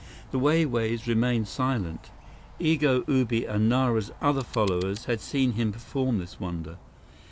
The Wai Wais remained silent. Igo, Ubi, and Nara's other followers had seen him perform this wonder.